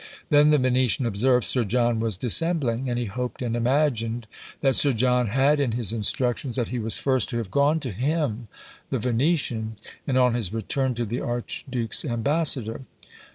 Then the Venetian observed, "Sir John was dissembling! and he hoped and imagined that Sir John had in his instructions, that he was first to have gone to him (the Venetian), and on his return to the archduke's ambassador."